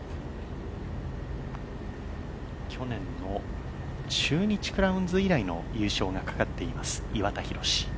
去年の中日クラウンズ以来の優勝がかかっています、岩田寛。